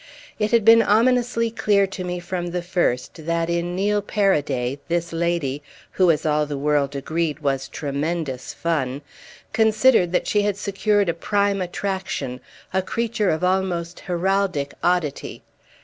It had been ominously clear to me from the first that in Neil Paraday this lady, who, as all the world agreed, was tremendous fun, considered that she had secured a prime attraction, a creature of almost heraldic oddity.